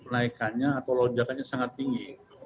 naikannya atau lonjakannya sangat tinggi